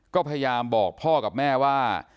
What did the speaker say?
ก็พยายามบอกพ่อกับแม่ว่า